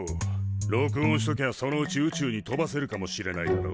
録音しときゃそのうち宇宙に飛ばせるかもしれないだろ。